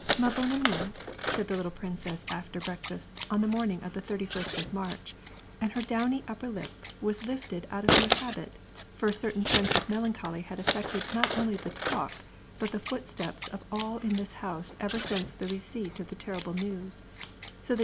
Ma bonne amie" said the little princess, after breakfast on the morning of the thirty first of March, and her downy upper Kp was lifted out of mere habit, for a certain sense of melan choly had affected not only the talk, but the footsteps of all IB this house ever since the receipt of the terrible news, so that e?